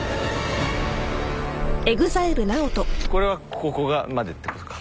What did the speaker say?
これはここまでってことか。